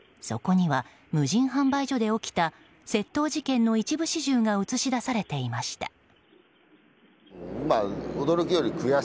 そこには無人販売所で起きた窃盗事件の一部始終が映し出されていました。